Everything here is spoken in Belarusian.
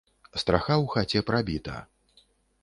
Страха ў хаце прабіта.